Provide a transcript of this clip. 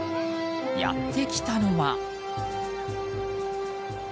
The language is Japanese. やってきたのは。